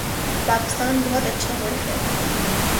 پاکستان بہت اچھا ملک ہے